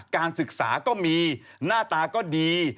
การศึกษาก็มีหน้าตาก็ดี